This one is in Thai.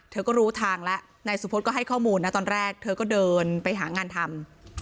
เธอก็รู้ทางแล้วนายสุพธก็ให้ข้อมูลนะตอนแรกเธอก็เดินไปหางานทำ